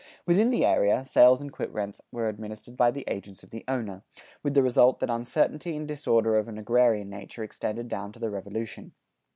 Within the area, sales and quit rents were administered by the agents of the owner, with the result that uncertainty and disorder of an agrarian nature extended down to the Revolution.